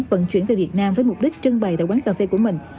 vận chuyển về việt nam với mục đích trưng bày tại quán cà phê của mình